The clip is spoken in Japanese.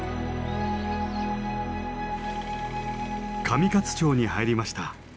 上勝町に入りました。